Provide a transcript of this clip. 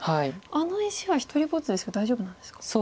あの石は独りぼっちですけど大丈夫なんですか？